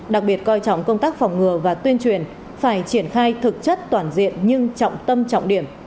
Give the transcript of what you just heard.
đặc biệt coi trọng công tác phòng ngừa và tuyên truyền phải triển khai thực chất toàn diện nhưng trọng tâm trọng điểm